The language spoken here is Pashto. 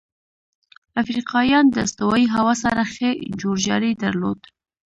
افریقایان د استوایي هوا سره ښه جوړجاړی درلود.